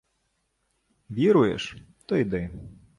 — Віруєш — то йди.